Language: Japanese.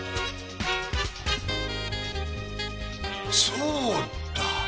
そうだ！